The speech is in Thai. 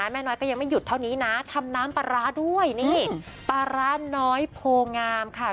แม่น้อยก็ยังไม่หยุดเท่านี้นะทำน้ำปลาร้าด้วยนี่ปลาร้าน้อยโพงามค่ะ